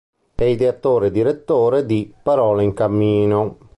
È ideatore e direttore di "Parole in cammino.